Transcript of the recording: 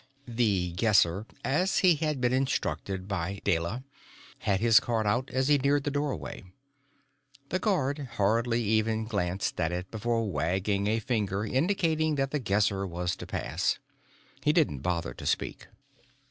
The Guesser, as he had been instructed by Deyla, had his card out as he neared the doorway. The guard hardly even glanced at it before wagging a finger indicating that The Guesser was to pass. He didn't bother to speak.